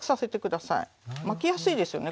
巻きやすいですよね